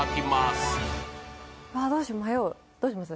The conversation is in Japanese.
迷うどうします？